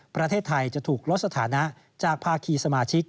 ประเทศไทยจะถูกลดสถานะจากภาคีสมาชิก